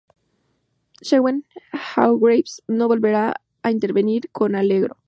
Shawn Hargreaves no volverá a intervenir con Allegro.